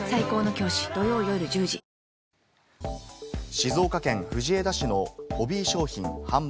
静岡県藤枝市のホビー商品の販売